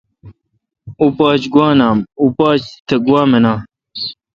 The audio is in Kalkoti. اوں پاچ نام گوا۔۔۔۔۔اوں پاچ تہ گوا منان